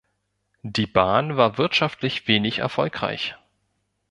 Die Bahn war wirtschaftlich wenig erfolgreich.